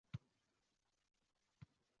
Oʻzim oʻqigan maktabga ishga kelgan edim.